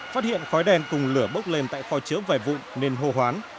phát hiện khói đèn cùng lửa bốc lên tại kho chứa vải vụ nên hô hoán